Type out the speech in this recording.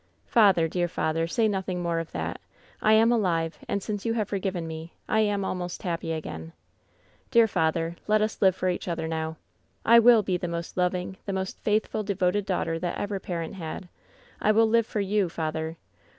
*" Tather, dear father, say nothing more of that. I am alive, and since you have forgiven me, I am almost happy again. Dear father, let us live for each other now. I will be the most loving, the most faithful, de voted daughter that ever parent had. I will live for you, father.